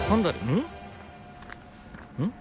うん？